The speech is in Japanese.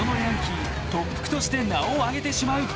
［として名を上げてしまう］